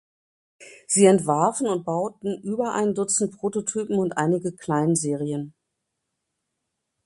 Sie entwarfen und bauten über ein Dutzend Prototypen und einige Kleinserien.